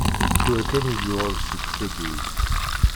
Tura kan i d-yuɣal seg tadduyt.